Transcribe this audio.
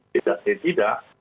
tidak ya tidak